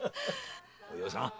お葉さん。